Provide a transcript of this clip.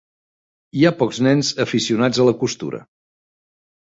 Hi ha pocs nens aficionats a la costura.